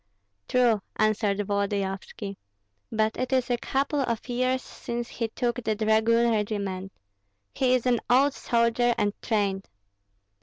"True," answered Volodyovski; "but it is a couple of years since he took the dragoon regiment. He is an old soldier, and trained."